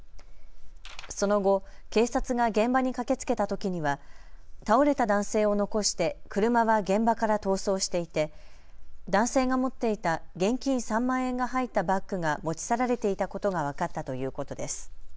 その後、警察が現場に駆けつけたときには倒れた男性を残して車は現場から逃走していて男性が持っていた現金３万円が入ったバッグが持ち去られていたことが分かったということです。